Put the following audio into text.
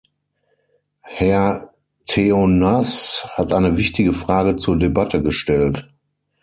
Herr Theonas hat eine wichtige Frage zur Debatte gestellt.